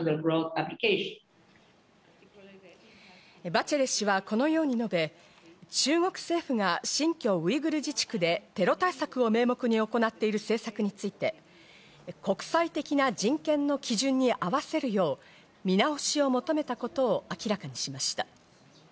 バチェレ氏は、このように述べ、中国政府が新疆ウイグル自治区でテロ対策を名目に行っている政策について、国際的な人権の基準に合わせるよう見直しを求めたことを明らかにしました。